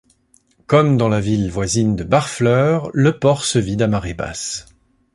Comme dans la ville voisine de Barfleur, le port se vide à marée basse.